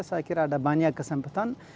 saya kira ada banyak kesempatan